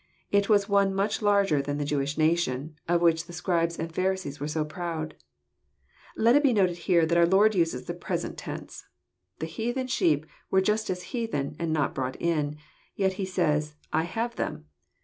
It was one much larger than the Jewish nation, of which the Scribes and Pharisees were so proud. Let it be noted here that our Lord uses the present tense. The heathen sheep were as yet heathen, and not brought in : yet He says, " I have them."